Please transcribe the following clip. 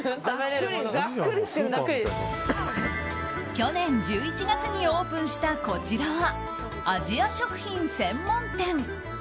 去年１１月にオープンしたこちらはアジア食品専門店。